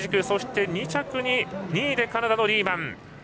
そして２着に２位でカナダのリーマン。